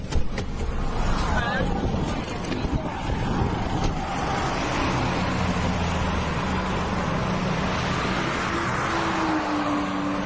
ฟ้าน